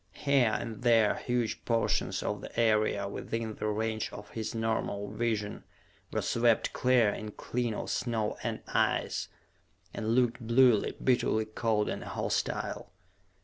Here and there huge portions of the area within the range of his normal vision were swept clear and clean of snow and ice and looked bluely, bitterly cold and hostile.